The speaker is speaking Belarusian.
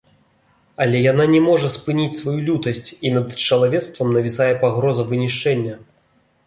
Але яна не можа спыніць сваю лютасць, і над чалавецтвам навісае пагроза вынішчэння.